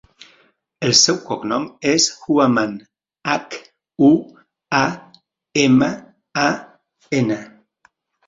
El seu cognom és Huaman: hac, u, a, ema, a, ena.